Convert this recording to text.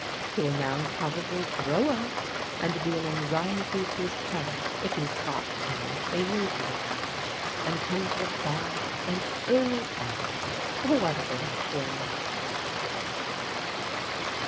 He will now probably grow up, and be an anxiety to his parents, if he's got any they usually haven't and come to a bad and early end. What a great world!"